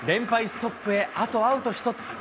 ストップへ、あとアウト１つ。